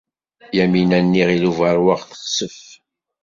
Yamina n Yiɣil Ubeṛwaq texsef.